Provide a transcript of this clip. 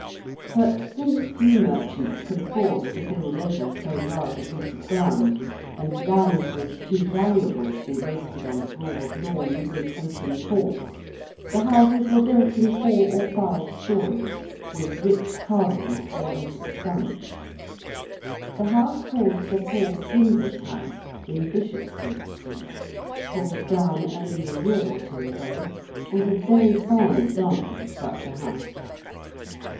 But, since few merchants could afford to build over so large a piece of ground and land was too valuable to be wasted on broad lawns and open courts, the houses were built in four or five stories, with rich carvings all over the front. The house called Sir Paul Pinder's House in Bishopsgate Street, pulled down only a year or two ago, was a very fine example of such a house.